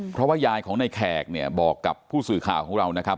เพราะว่ายายของในแขกเนี่ยบอกกับผู้สื่อข่าวของเรานะครับ